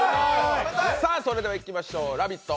それではいきましょう、「ラヴィット！」